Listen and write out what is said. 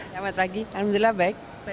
selamat pagi alhamdulillah baik